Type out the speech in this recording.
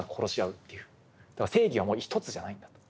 だから正義はもう一つじゃないんだと。